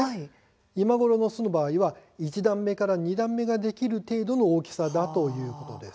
今頃の巣の場合は、１段目から２段目ができる程度の大きさだということです。